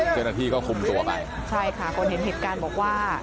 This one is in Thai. เจ้าหน้าที่ก็คุมตัวไปใช่ค่ะคนเห็นเหตุการณ์บอกว่า